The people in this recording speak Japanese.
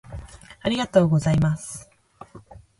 「ありがとうございます」